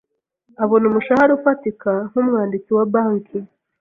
Abona umushahara ufatika nkumwanditsi wa banki.